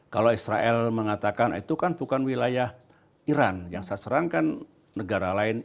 kalau israel mengatakan itu kan bukan wilayah iran yang saya serangkan negara lain